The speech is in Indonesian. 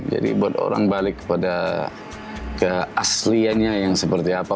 jadi buat orang balik kepada keaslianya yang seperti apa